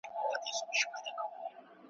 وئېل ئې دا د خپلو خواهشونو غلامان دي .